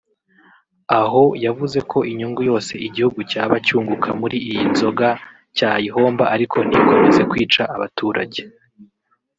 aho yavuze ko inyungu yose igihugu cyaba cyunguka muri iyi nzoga cyayihomba ariko ntikomeze kwica abaturage